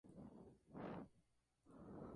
Un día entrevistó a Raúl Velasco.